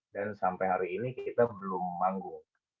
dan sampai hari ini kita belum manggung